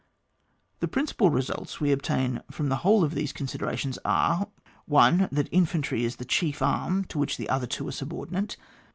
The principal results we obtain from the whole of these considerations, are — 1 . That infantry is the chief arm, to which the other two are subordinate.